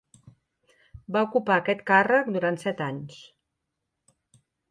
Va ocupar aquest càrrec durant set anys.